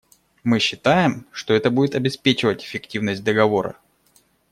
Мы считаем, что это будет обеспечивать эффективность Договора.